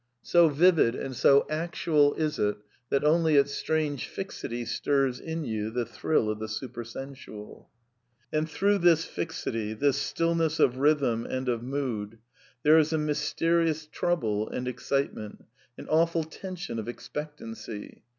So vivid and so actual is it, that only its strange fixity stirs in you the thrill of the super sensual. And through this fixity, this stillness of rhythm and of mood, there is a mysterious trouble and excitement, an awful tension of expectancy.